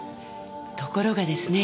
ところがですね